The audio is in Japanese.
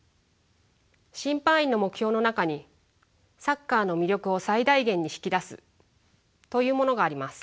審判員の目標の中に「サッカーの魅力を最大限に引き出す」というものがあります。